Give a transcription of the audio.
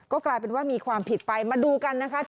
ก็กลายเป็นว่ามีความผิดไปมาดูกันนะคะ